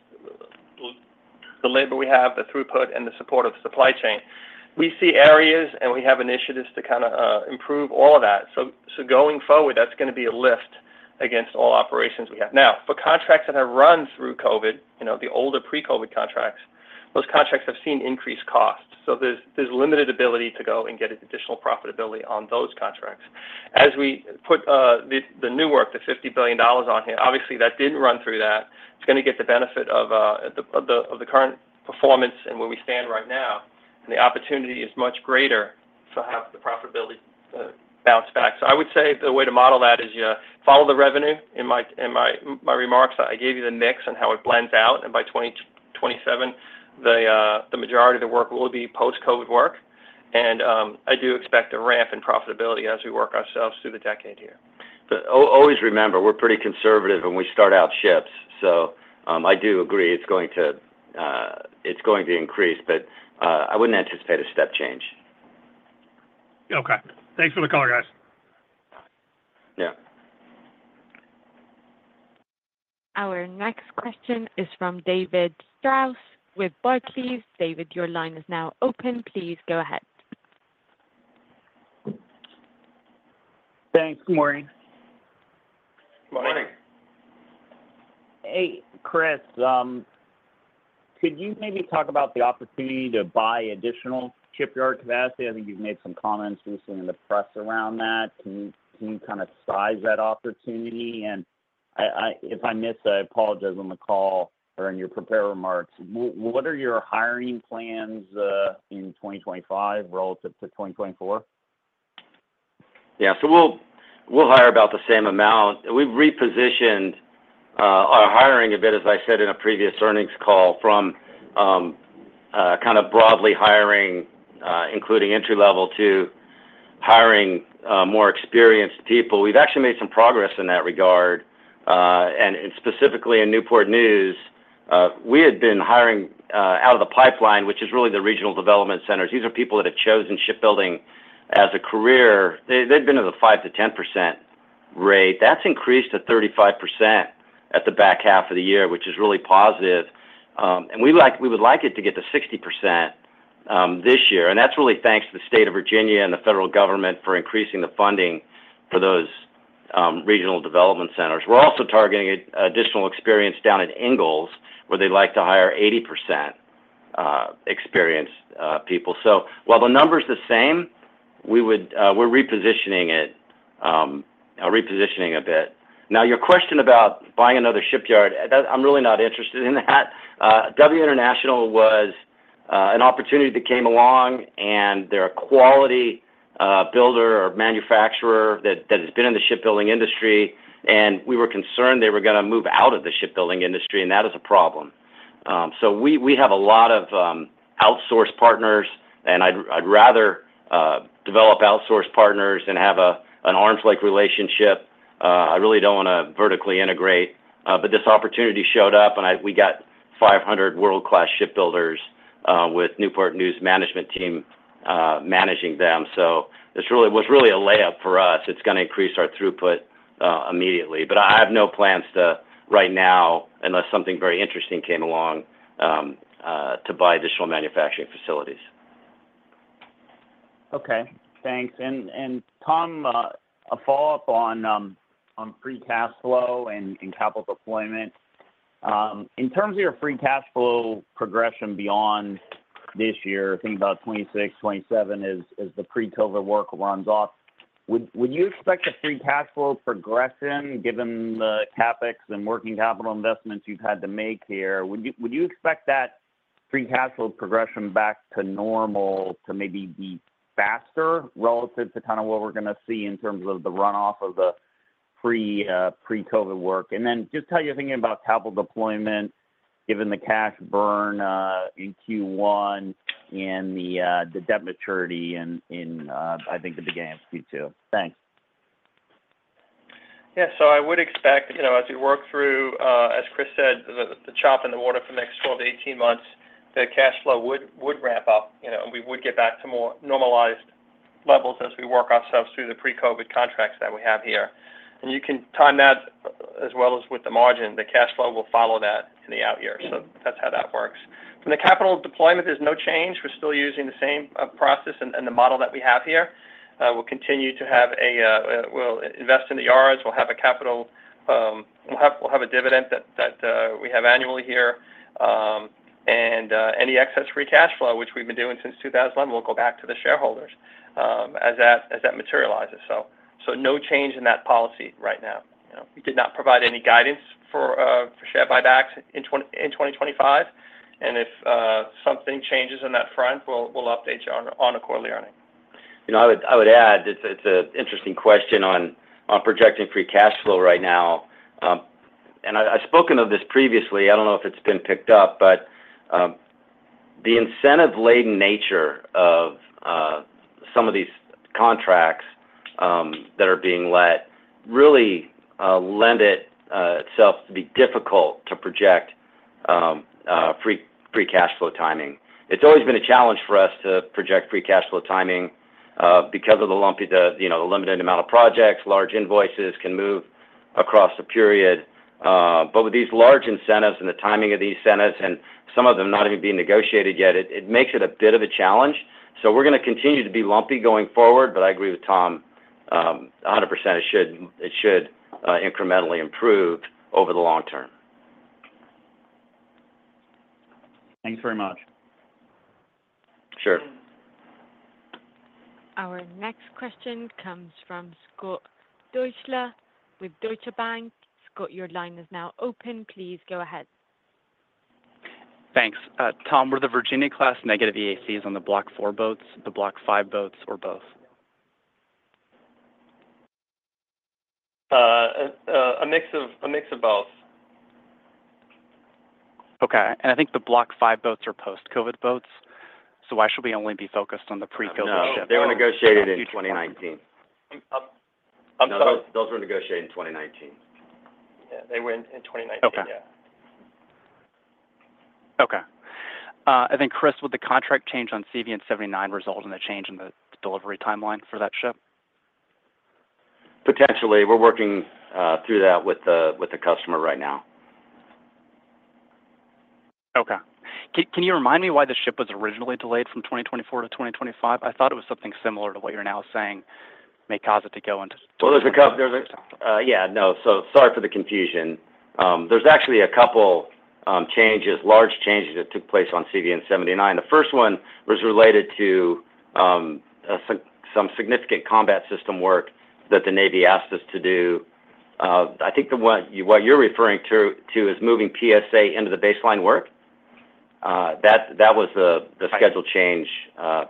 the labor we have, the throughput, and the support of the supply chain. We see areas, and we have initiatives to kind of improve all of that, so going forward, that's going to be a lift against all operations we have. Now, for contracts that have run through COVID, the older pre-COVID contracts, those contracts have seen increased costs, so there's limited ability to go and get additional profitability on those contracts. As we put the new work, the $50 billion on here, obviously, that didn't run through that. It's going to get the benefit of the current performance and where we stand right now, and the opportunity is much greater to have the profitability bounce back. So I would say the way to model that is you follow the revenue. In my remarks, I gave you the mix and how it blends out. And by 2027, the majority of the work will be post-COVID work. And I do expect a ramp in profitability as we work ourselves through the decade here. But always remember, we're pretty conservative when we start our ships. So I do agree it's going to increase, but I wouldn't anticipate a step change. Okay. Thanks for the call, guys. Yeah. Our next question is from David Strauss with Barclays. David, your line is now open. Please go ahead. Thanks. Good morning. Good morning. Hey, Chris. Could you maybe talk about the opportunity to buy additional shipyard capacity? I think you've made some comments recently in the press around that. Can you kind of size that opportunity? And if I miss, I apologize on the call or in your prepared remarks. What are your hiring plans in 2025 relative to 2024? Yeah. So we'll hire about the same amount. We've repositioned our hiring a bit, as I said in a previous earnings call, from kind of broadly hiring, including entry-level, to hiring more experienced people. We've actually made some progress in that regard. And specifically in Newport News, we had been hiring out of the pipeline, which is really the regional development centers. These are people that have chosen shipbuilding as a career. They've been at a 5%-10% rate. That's increased to 35% at the back half of the year, which is really positive. And we would like it to get to 60% this year. And that's really thanks to the state of Virginia and the federal government for increasing the funding for those regional development centers. We're also targeting additional experience down at Ingalls, where they'd like to hire 80% experienced people. So while the number's the same, we're repositioning it a bit. Now, your question about buying another shipyard, I'm really not interested in that. W International was an opportunity that came along, and they're a quality builder or manufacturer that has been in the shipbuilding industry. And we were concerned they were going to move out of the shipbuilding industry, and that is a problem. So we have a lot of outsourced partners, and I'd rather develop outsourced partners than have an arms-length relationship. I really don't want to vertically integrate. But this opportunity showed up, and we got 500 world-class shipbuilders with Newport News management team managing them. So it was really a layup for us. It's going to increase our throughput immediately. But I have no plans right now, unless something very interesting came along, to buy additional manufacturing facilities. Okay. Thanks. And Tom, a follow-up on free cash flow and capital deployment. In terms of your free cash flow progression beyond this year, think about 2026, 2027 as the pre-COVID work runs off, would you expect the free cash flow progression, given the CapEx and working capital investments you've had to make here, would you expect that free cash flow progression back to normal to maybe be faster relative to kind of what we're going to see in terms of the runoff of the pre-COVID work? And then just how you're thinking about capital deployment, given the cash burn in Q1 and the debt maturity in, I think, the beginning of Q2? Thanks. Yeah. So I would expect, as we work through, as Chris said, the chop in the water for the next 12-18 months, the cash flow would ramp up, and we would get back to more normalized levels as we work ourselves through the pre-COVID contracts that we have here. And you can time that as well as with the margin. The cash flow will follow that in the out year. So that's how that works. From the capital deployment, there's no change. We're still using the same process and the model that we have here. We'll continue to invest in the yards. We'll have capital. We'll have a dividend that we have annually here. And any excess free cash flow, which we've been doing since 2011, will go back to the shareholders as that materializes. So no change in that policy right now. We did not provide any guidance for share buybacks in 2025. If something changes on that front, we'll update you on a quarterly earnings. I would add, it's an interesting question on projecting free cash flow right now. And I've spoken of this previously. I don't know if it's been picked up, but the incentive-laden nature of some of these contracts that are being let really lend itself to be difficult to project free cash flow timing. It's always been a challenge for us to project free cash flow timing because of the limited amount of projects. Large invoices can move across the period. But with these large incentives and the timing of these incentives, and some of them not even being negotiated yet, it makes it a bit of a challenge. So we're going to continue to be lumpy going forward, but I agree with Tom, 100%, it should incrementally improve over the long term. Thanks very much. Sure. Our next question comes from Scott Deuschle with Deutsche Bank. Scott, your line is now open. Please go ahead. Thanks. Tom, were the Virginia-class negative EACs on the Block 4 boats, the Block 5 boats, or both? A mix of both. Okay. And I think the Block 5 boats are post-COVID boats. So why should we only be focused on the pre-COVID ship? They were negotiated in 2019. I'm sorry? Those were negotiated in 2019. Yeah. They were in 2019. Yeah. Okay. And then, Chris, would the contract change on CVN 79 result in a change in the delivery timeline for that ship? Potentially. We're working through that with the customer right now. Okay. Can you remind me why the ship was originally delayed from 2024 to 2025? I thought it was something similar to what you're now saying may cause it to go into delay. Well, there's a couple. Yeah. No. So sorry for the confusion. There's actually a couple of large changes that took place on CVN 79. The first one was related to some significant combat system work that the Navy asked us to do. I think what you're referring to is moving PSA into the baseline work. That was the schedule change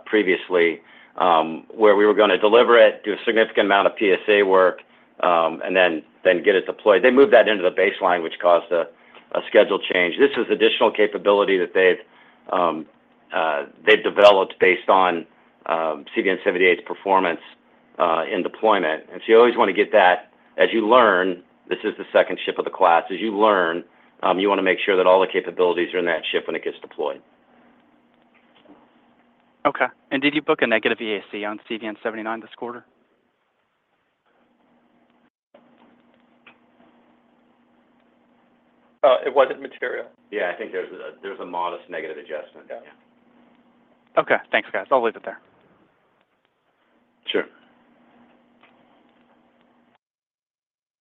previously where we were going to deliver it, do a significant amount of PSA work, and then get it deployed. They moved that into the baseline, which caused a schedule change. This is additional capability that they've developed based on CVN 78's performance in deployment. And so you always want to get that. As you learn, this is the second ship of the class. As you learn, you want to make sure that all the capabilities are in that ship when it gets deployed. Okay, and did you book a negative EAC on CVN 79 this quarter? It wasn't material. Yeah. I think there's a modest negative adjustment. Yeah. Okay. Thanks, guys. I'll leave it there. Sure.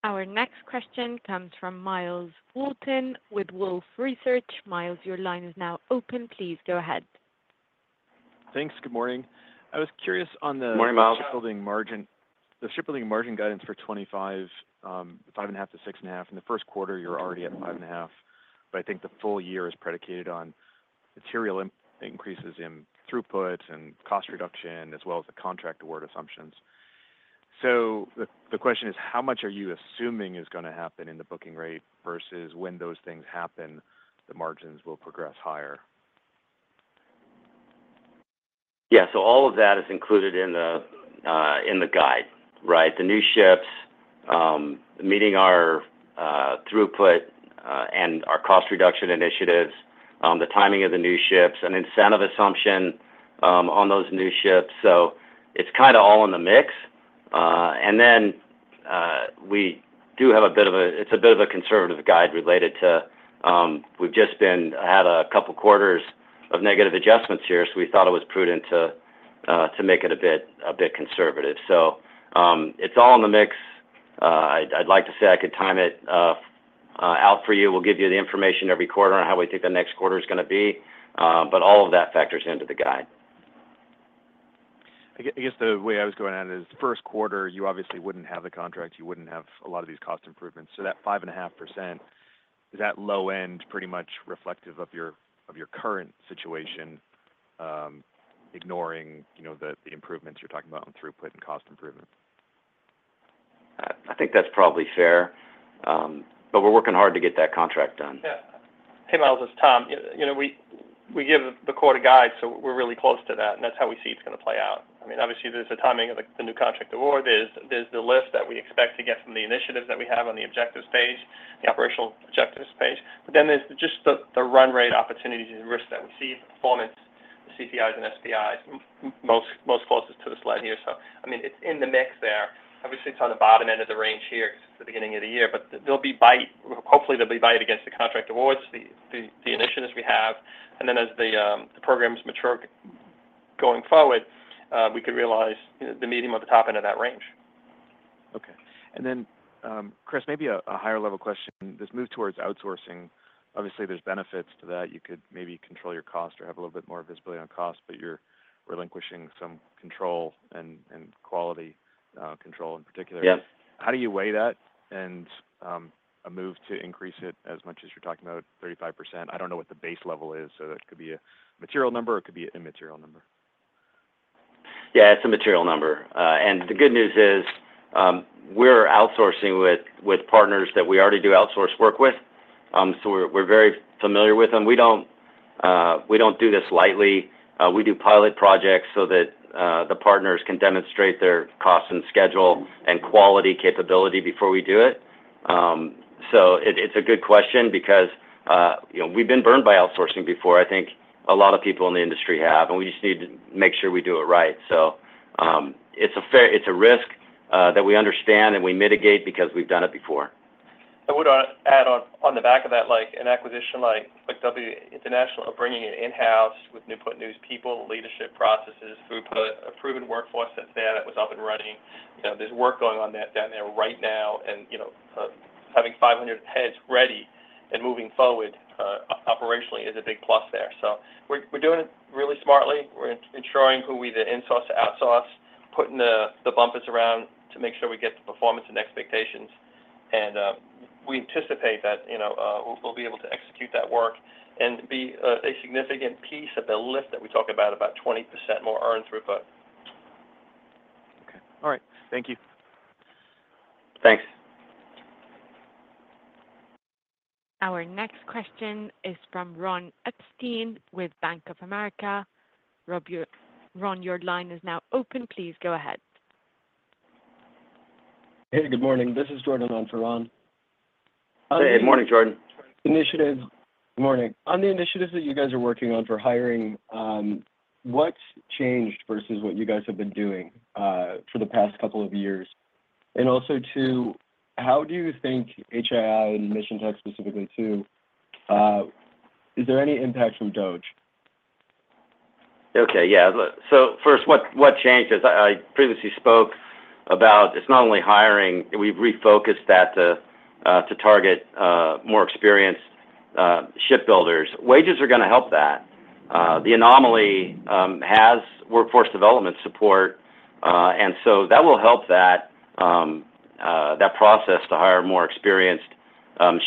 Our next question comes from Myles Walton with Wolfe Research. Myles, your line is now open. Please go ahead. Thanks. Good morning. I was curious on the. Good morning, Myles. Shipbuilding margin. The shipbuilding margin guidance for 2025, 5.5%-6.5%. In the first quarter, you're already at 5.5%. But I think the full year is predicated on material increases in throughput and cost reduction as well as the contract award assumptions, so the question is, how much are you assuming is going to happen in the booking rate versus when those things happen, the margins will progress higher? Yeah, so all of that is included in the guide, right? The new ships, meeting our throughput and our cost reduction initiatives, the timing of the new ships, an incentive assumption on those new ships, so it's kind of all in the mix. And then we do have a bit of a conservative guide related to we've just had a couple of quarters of negative adjustments here, so we thought it was prudent to make it a bit conservative. So it's all in the mix. I'd like to say I could time it out for you. We'll give you the information every quarter on how we think the next quarter is going to be. But all of that factors into the guide. I guess the way I was going at it is the first quarter, you obviously wouldn't have the contract. You wouldn't have a lot of these cost improvements. So that 5.5%, is that low end pretty much reflective of your current situation, ignoring the improvements you're talking about on throughput and cost improvement? I think that's probably fair, but we're working hard to get that contract done. Yeah. Hey, Myles. It's Tom. We give the quarter guide, so we're really close to that. And that's how we see it's going to play out. I mean, obviously, there's the timing of the new contract award. There's the lift that we expect to get from the initiatives that we have on the objectives page, the operational objectives page. But then there's just the run rate opportunities and risks that we see, performance, the CPIs and SPIs, most closest to the slide here. So I mean, it's in the mix there. Obviously, it's on the bottom end of the range here because it's the beginning of the year. But hopefully, there'll be bite against the contract awards, the initiatives we have. And then as the programs mature going forward, we could realize the medium or the top end of that range. Okay. And then, Chris, maybe a higher-level question. This move towards outsourcing, obviously, there's benefits to that. You could maybe control your cost or have a little bit more visibility on cost, but you're relinquishing some control and quality control in particular. How do you weigh that and a move to increase it as much as you're talking about 35%? I don't know what the base level is, so it could be a material number or it could be an immaterial number. Yeah. It's a material number. And the good news is we're outsourcing with partners that we already do outsource work with. So we're very familiar with them. We don't do this lightly. We do pilot projects so that the partners can demonstrate their cost and schedule and quality capability before we do it. So it's a good question because we've been burned by outsourcing before. I think a lot of people in the industry have. And we just need to make sure we do it right. So it's a risk that we understand and we mitigate because we've done it before. I would add on the back of that, an acquisition like W International of bringing it in-house with Newport News people, leadership processes, throughput, a proven workforce that's there that was up and running. There's work going on down there right now. And having 500 heads ready and moving forward operationally is a big plus there. So we're doing it really smartly. We're ensuring who we insource to outsource, putting the bumpers around to make sure we get the performance and expectations. And we anticipate that we'll be able to execute that work and be a significant piece of the lift that we talk about, about 20% more earned throughput. Okay. All right. Thank you. Thanks. Our next question is from Ron Epstein with Bank of America. Ron, your line is now open. Please go ahead. Hey, good morning. This is Jordan on for Ron. Hey. Good morning, Jordan. Initiative. Good morning. On the initiatives that you guys are working on for hiring, what's changed versus what you guys have been doing for the past couple of years? And also too, how do you think HII and Mission Tech specifically too, is there any impact from DOGE? Okay. Yeah. So first, what changed is I previously spoke about. It's not only hiring. We've refocused that to target more experienced shipbuilders. Wages are going to help that. The anomaly has workforce development support. And so that will help that process to hire more experienced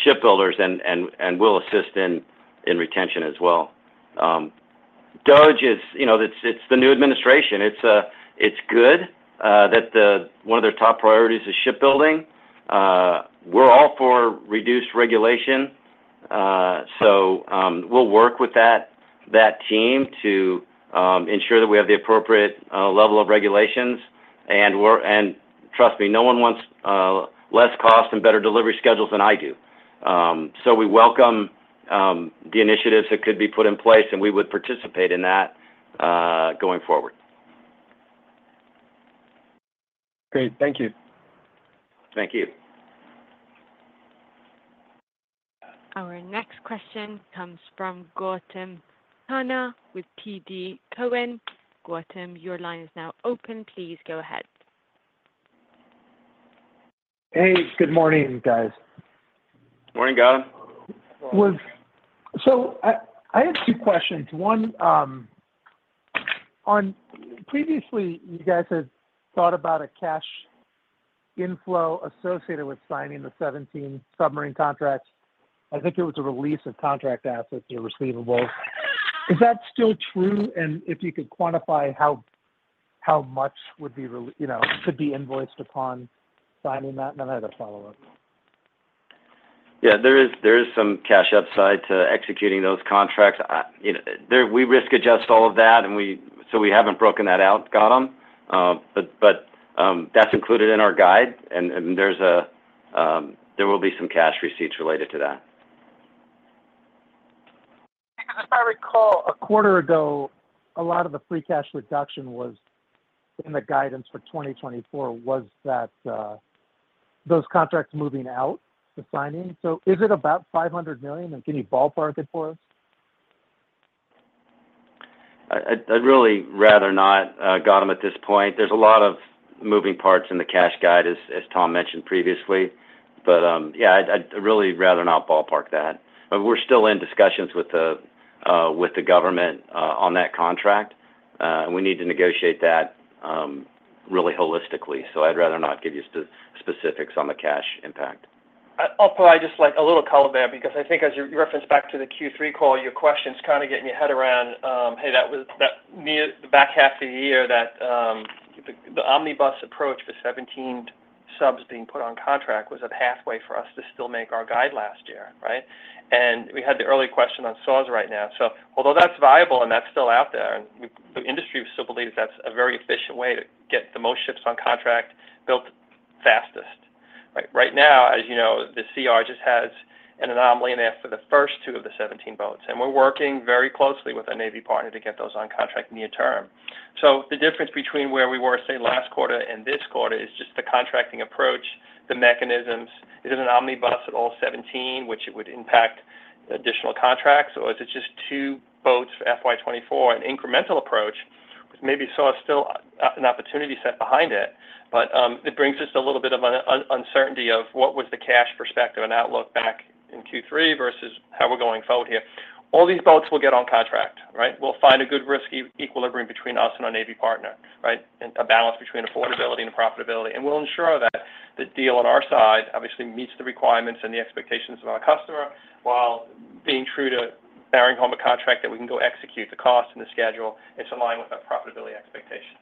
shipbuilders and will assist in retention as well. DOGE, it's the new administration. It's good that one of their top priorities is shipbuilding. We're all for reduced regulation. So we'll work with that team to ensure that we have the appropriate level of regulations. And trust me, no one wants less cost and better delivery schedules than I do. So we welcome the initiatives that could be put in place, and we would participate in that going forward. Great. Thank you. Thank you. Our next question comes from Gautam Khanna with TD Cowen. Gautam, your line is now open. Please go ahead. Hey. Good morning, guys. Morning, Gautam. So I have two questions. One, previously, you guys had thought about a cash inflow associated with signing the 17 submarine contracts. I think it was a release of contract assets or receivables. Is that still true? And if you could quantify how much could be invoiced upon signing that? And then I have a follow-up. Yeah. There is some cash upside to executing those contracts. We risk-adjust all of that, and so we haven't broken that out, Gautam, but that's included in our guide, and there will be some cash receipts related to that. Because if I recall, a quarter ago, a lot of the free cash reduction was in the guidance for 2024. Was that those contracts moving out to signing? So is it about $500 million? And can you ballpark it for us? I'd really rather not, Gautam, at this point. There's a lot of moving parts in the cash guide, as Tom mentioned previously. But yeah, I'd really rather not ballpark that. But we're still in discussions with the government on that contract. We need to negotiate that really holistically. So I'd rather not give you specifics on the cash impact. I'll provide just a little color there because I think as you referenced back to the Q3 call, your question's kind of getting your head around, hey, that was the back half of the year that the omnibus approach for 17 subs being put on contract was a pathway for us to still make our guide last year, right? And we had the early question on SARs right now. So although that's viable and that's still out there, the industry still believes that's a very efficient way to get the most ships on contract built fastest. Right now, as you know, the CR just has an anomaly in there for the first two of the 17 boats. And we're working very closely with our Navy partner to get those on contract near term. So the difference between where we were, say, last quarter and this quarter is just the contracting approach, the mechanisms. Is it an omnibus at all 17, which it would impact additional contracts? Or is it just two boats for FY24? An incremental approach. Maybe SARS still an opportunity set behind it. But it brings us a little bit of uncertainty of what was the cash perspective and outlook back in Q3 versus how we're going forward here. All these boats will get on contract, right? We'll find a good risk equilibrium between us and our Navy partner, right? And a balance between affordability and profitability. And we'll ensure that the deal on our side obviously meets the requirements and the expectations of our customer while being true to bringing home a contract that we can go execute the cost and the schedule. It's aligned with our profitability expectations.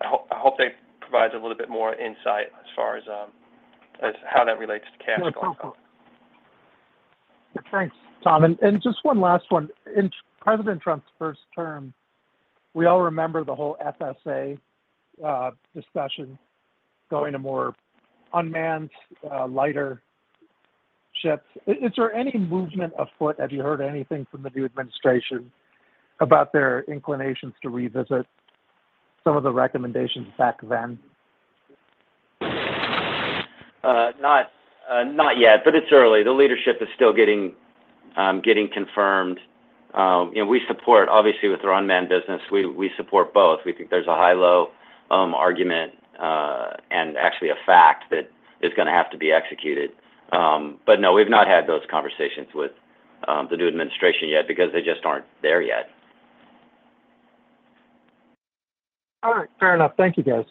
I hope that provides a little bit more insight as far as how that relates to cash going forward. That's helpful. Thanks, Tom. And just one last one. In President Trump's first term, we all remember the whole FSA discussion going to more unmanned, lighter ships. Is there any movement afoot? Have you heard anything from the new administration about their inclinations to revisit some of the recommendations back then? Not yet. But it's early. The leadership is still getting confirmed. We support, obviously, with the unmanned business, we support both. We think there's a high-low argument and actually a fact that it's going to have to be executed. But no, we've not had those conversations with the new administration yet because they just aren't there yet. All right. Fair enough. Thank you, guys.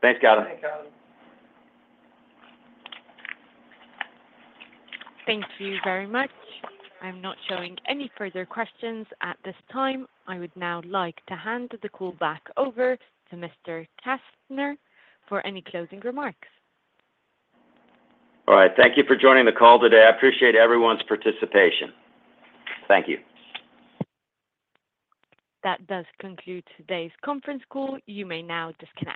Thanks, Gautam. Thanks, Gautam. Thank you very much. I'm not showing any further questions at this time. I would now like to hand the call back over to Mr. Kastner for any closing remarks. All right. Thank you for joining the call today. I appreciate everyone's participation. Thank you. That does conclude today's conference call. You may now disconnect.